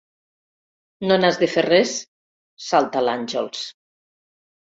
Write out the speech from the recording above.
No n'has de fer res! –salta l'Àngels.